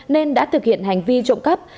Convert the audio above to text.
nên đã thực hiện hành vi trộm cắp